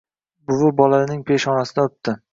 Buvi bolaning peshonasidan oʻpdi